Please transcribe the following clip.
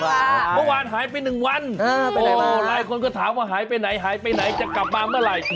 เมื่อวานหายไป๑วันหลายคนก็ถามว่าหายไปไหนหายไปไหนจะกลับมาเมื่อไหร่